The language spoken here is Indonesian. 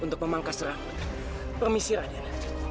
untuk memangkas rambut permisi raden